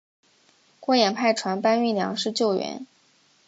郭衍派船搬运粮食救援。